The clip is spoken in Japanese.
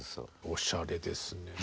おしゃれですねえ。